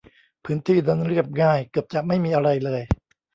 พื้นที่นั้นเรียบง่าย เกือบจะไม่มีอะไรเลย